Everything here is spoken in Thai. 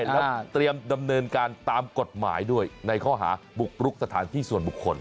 แล้วเตรียมดำเนินการตามกฎหมายด้วยในข้อหาบุกรุกสถานที่ส่วนบุคคล